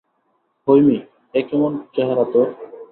হৈমী, এ কেমন চেহারা তোর!